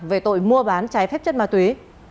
về tội mua bán trái phép chất ma túy